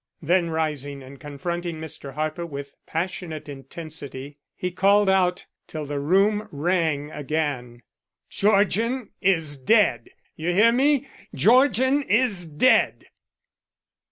Then rising and confronting Mr. Harper with passionate intensity, he called out till the room rang again: "Georgian is dead! You hear me, Georgian is dead!"